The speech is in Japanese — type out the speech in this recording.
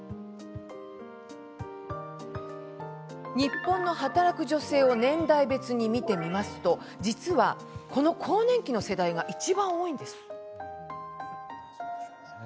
日本の働く女性を年代別に見ると実は、この更年期の世代がいちばん多いんです。